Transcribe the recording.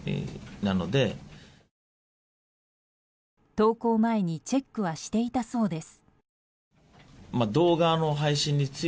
投稿前にチェックはしていたそうです。